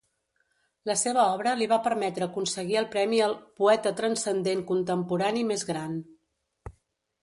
La seva obra li va permetre aconseguir el premi al "poeta transcendent contemporani més gran".